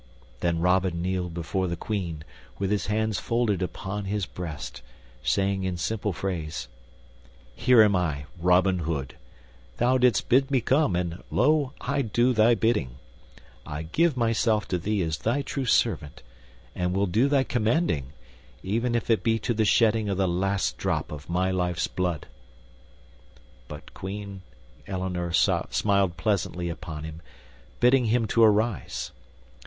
Then Robin kneeled before the Queen with his hands folded upon his breast, saying in simple phrase, "Here am I, Robin Hood. Thou didst bid me come, and lo, I do thy bidding. I give myself to thee as thy true servant, and will do thy commanding, even if it be to the shedding of the last drop of my life's blood." But good Queen Eleanor smiled pleasantly upon him, bidding him to arise.